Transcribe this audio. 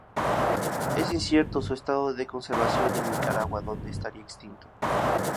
Es incierto su estado de conservación en Nicaragua, donde estaría extinto.